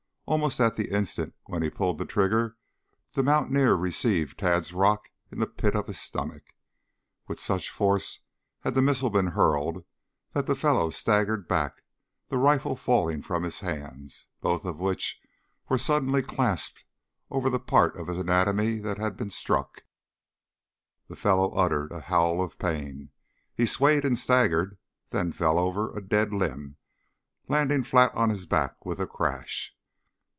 Almost at the instant when he pulled the trigger the mountaineer received Tad's rock in the pit of his stomach. With such force had the missile been hurled that the fellow staggered back, the rifle falling from his hands, both of which were suddenly clasped over the part of his anatomy that had been struck. The fellow uttered a howl of pain. He swayed and staggered then fell over a dead limb, landing flat on his back with a crash.